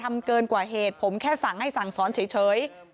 ทำเกินกว่าเหตุผมแค่สั่งให้สั่งสอนเฉย